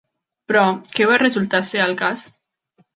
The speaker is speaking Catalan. Però, què va resultar ser el cas?